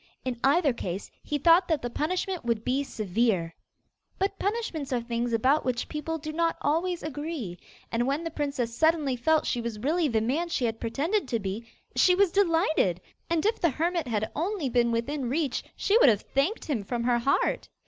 In either case he thought that the punishment would be severe. But punishments are things about which people do not always agree, and when the princess suddenly felt she was really the man she had pretended to be, she was delighted, and if the hermit had only been within reach she would have thanked him from her heart.